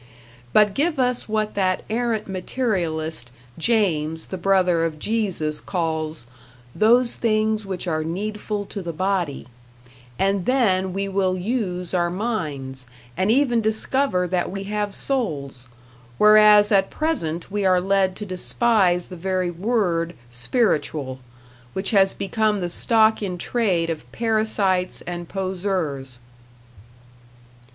But give us what that arrant materialist, James, the brother of Jesus, calls "those things which are needful to the body," and then we will use our minds, and even discover that we have souls; whereas at present we are led to despise the very word "spiritual", which has become the stock in trade of parasites and poseurs.